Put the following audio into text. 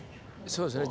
そうですね。